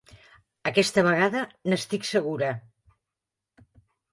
Aquesta vegada n'estic segura!